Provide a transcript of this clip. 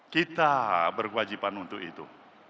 kita berkewajipan untuk itu